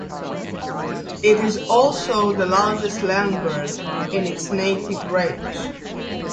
It is also the largest land bird in its native range.